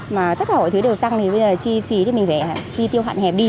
mà tất cả mọi thứ đều tăng thì bây giờ chi phí thì mình phải chi tiêu hạn hẹp đi